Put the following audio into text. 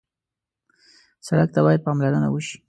سړک ته باید پاملرنه وشي.